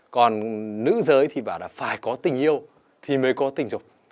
còn nữ giới thì phải có tình yêu thì mới có tình dục